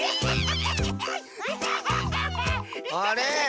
あれ？